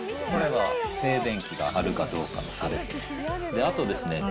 これが静電気があるかどうかの差ですね。